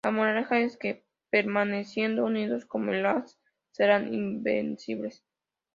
La moraleja es que, permaneciendo unidos como el haz, serán invencibles.